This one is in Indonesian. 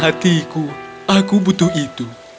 hatiku aku butuh itu